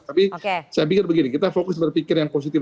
tapi saya pikir begini kita fokus berpikir yang positif